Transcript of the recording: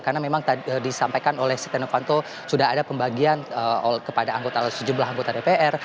karena memang tadi disampaikan oleh setonofanto sudah ada pembagian kepada anggota sejumlah anggota dpr